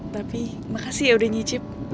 tapi makasih ya udah nyicip